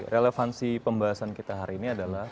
relevansi pembahasan kita hari ini adalah